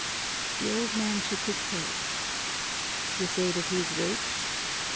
The old man shook his head. "You say that he is rich?